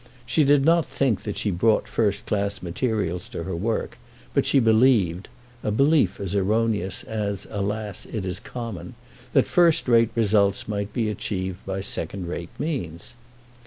She did not think that she brought first class materials to her work, but she believed, a belief as erroneous as, alas, it is common, that first rate results might be achieved by second rate means.